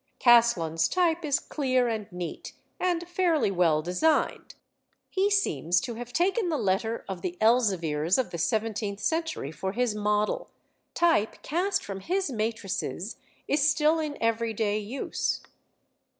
Caslon's type is clear and neat, and fairly well designed; he seems to have taken the letter of the Elzevirs of the seventeenth century for his model: type cast from his matrices is still in everyday use.